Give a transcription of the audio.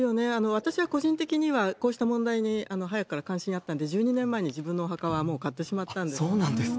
私は個人的には、こうした問題に早くから関心あったんで、１２年前に、自分のお墓はもう買ってしまったんです。